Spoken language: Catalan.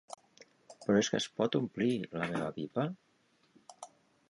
Però és que es pot omplir, la meva pipa?